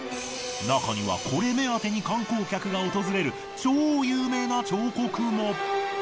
なかにはこれ目当てに観光客が訪れる超有名な彫刻も。